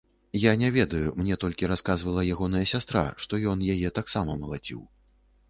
Я не ведаю, мне толькі расказвала ягоная сястра, што ён яе таксама малаціў.